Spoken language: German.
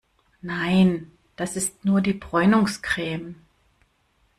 Nein, das ist nur die Bräunungscreme.